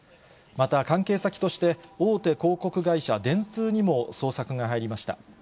また、関係先として大手広告会社、電通にも捜索が入りました。